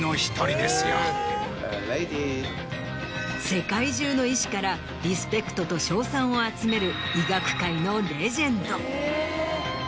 世界中の医師からリスペクトと称賛を集める医学界のレジェンド。